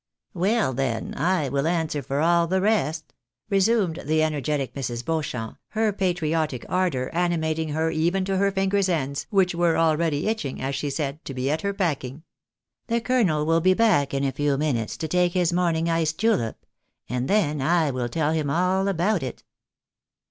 " Well, then, I will answer for all the rest," resumed the energetic Mrs. Beauchamp, her patriotic ardour animating her even to her fingers' ends, which were already itching, as she said, to be at her packing. " The colonel will be back in a few minutes to take his morning iced julep, and then I will teU him all about it."